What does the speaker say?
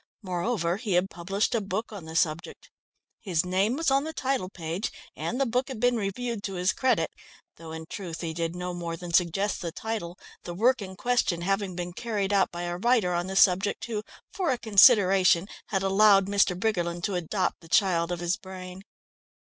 Moreover, he had published a book on the subject. His name was on the title page and the book had been reviewed to his credit; though in truth he did no more than suggest the title, the work in question having been carried out by a writer on the subject who, for a consideration, had allowed Mr. Briggerland to adopt the child of his brain.